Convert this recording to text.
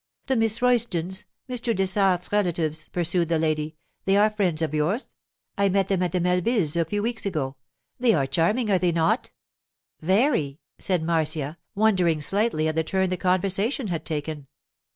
'The Miss Roystons, Mr. Dessart's relatives,' pursued the lady; 'they are friends of yours. I met them at the Melvilles' a few weeks ago. They are charming, are they not?' 'Very,' said Marcia, wondering slightly at the turn the conversation had taken.